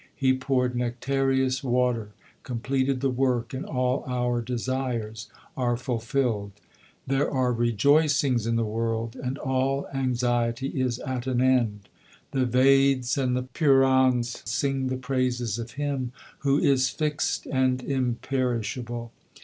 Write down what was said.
He poured nectareous water, completed the work, and all our desires are fulfilled. There are rejoicings in the world, and all anxiety is at an end. The Veds and the Purans sing the praises of Him who is fixed and imperishable.